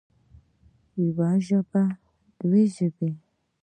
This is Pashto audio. يوه ژبه او دوه ژبې